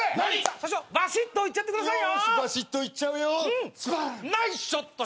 社長ばしっといっちゃってくださいよ！